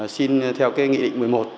xin theo cái nghị định một mươi một